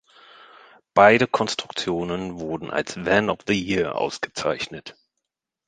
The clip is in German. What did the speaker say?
Beide Konstruktionen wurden als Van of the Year ausgezeichnet.